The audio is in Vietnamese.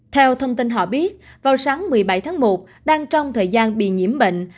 theo thông tin họ biết vào sáng một mươi bảy tháng một đang trong thời gian bị nhiễm bệnh